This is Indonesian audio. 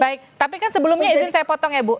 baik tapi kan sebelumnya izin saya potong ya bu